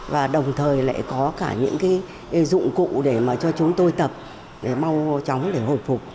và đồng thời lại có cả những dụng cụ để cho chúng tôi tập mau chóng để hồi phục